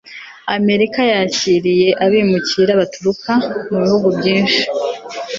Amerika yakiriye abimukira baturuka mu bihugu byinshi